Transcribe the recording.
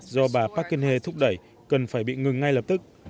do bà park geun hye thúc đẩy cần phải bị ngừng ngay lập tức